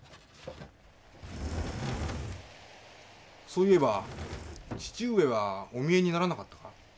そういえば義父上はお見えにならなかったか？